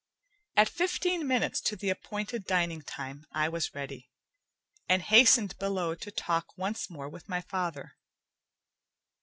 At fifteen minutes to the appointed dining time, I was ready, and hastened below to talk once more with my father.